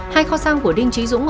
hai kho xăng của đinh trí dũng